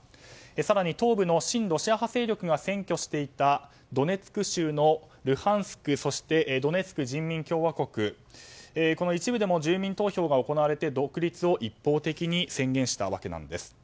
更に東部の親ロシア派勢力が占拠していたドネツク州のルハンスクそしてドネツク人民共和国この一部でも住民投票が行われて独立を一方的に宣言したんです。